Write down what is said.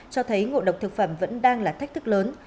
cho thấy ngộ độc thực phẩm vẫn đang là thách thức lớn